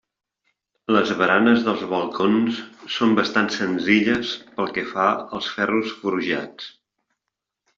Les baranes dels balcons són bastant senzilles, pel que fa als ferros forjats.